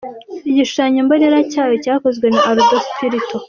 Igishushanyo mbonera cyayo cyakozwe na Aldo Spirito.